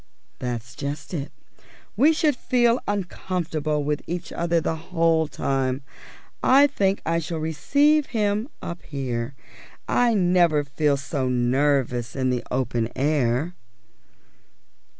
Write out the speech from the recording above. "That's just it. We should feel uncomfortable with each other the whole time. I think I shall receive him up here; I never feel so nervous in the open air."